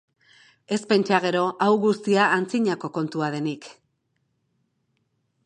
Ez pentsa gero, hau guztia antzinako kontua denik.